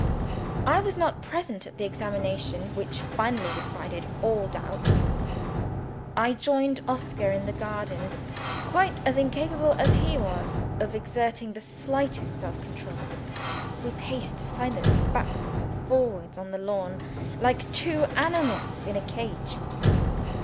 I was not present at the examination which finally decided all doubt. I joined Oscar in the garden quite as incapable as he was of exerting the slightest self control. We paced silently backwards and forwards on the lawn, like two animals in a cage.